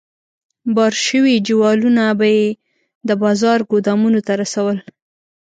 بار شوي جوالونه به یې د بازار ګودامونو ته رسول.